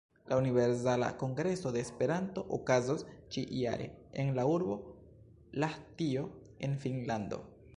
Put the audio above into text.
La Universala Kongreso de Esperanto okazos ĉi-jare en la urbo Lahtio en Finnlando.